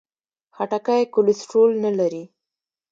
خټکی کولیسټرول نه لري.